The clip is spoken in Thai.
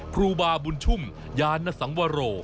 ครูบาบุญชุ่มยานสังวโร